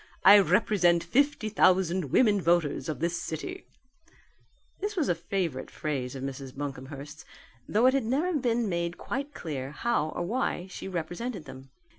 I represent fifty thousand women voters of this city " (This was a favourite phrase of Mrs. Buncomhearst's, though it had never been made quite clear how or why she represented them.)